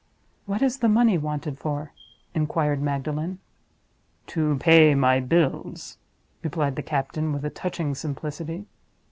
"What is the money wanted for?" inquired Magdalen. "To pay my bills," replied the captain, with a touching simplicity.